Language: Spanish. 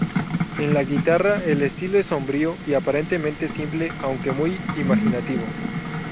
En la guitarra, el estilo es sobrio y aparentemente simple, aunque muy imaginativo.